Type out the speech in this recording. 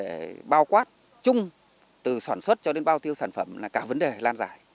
để bao quát chung từ sản xuất cho đến bao tiêu sản phẩm là cả vấn đề lan giải